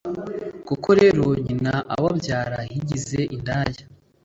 Koko rero, nyina ubabyara yigize indaya,